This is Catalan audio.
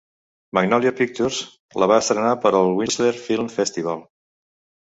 Magnolia Pictures la va estrenar per al Whistler Film Festival.